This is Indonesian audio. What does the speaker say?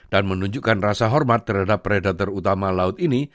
dan menunjukkan rasa hormat terhadap predator utama laut ini